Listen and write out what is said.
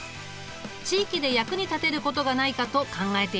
地域で役に立てることがないかと考えている。